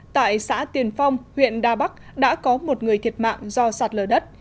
tại xã tiền phong huyện đa bắc đã có một người thiệt mạng do sạt lở đất